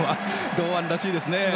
堂安らしいですね。